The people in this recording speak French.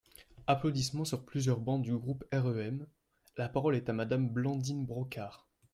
(Applaudissements sur plusieurs bancs du groupe REM.) La parole est à Madame Blandine Brocard.